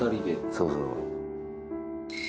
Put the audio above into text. そうそう。